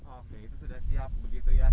oke itu sudah siap begitu ya